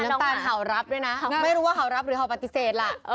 น้ำตาลเขารับด้วยนะไม่รู้ว่าเขารับหรือเห่าปฏิเสธล่ะ